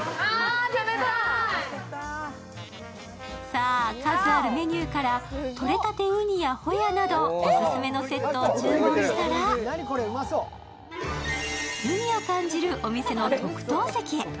さあ、数あるメニューからとれたてウニやホヤなどオススメのセットを注文したら海を感じるお店の特等席へ。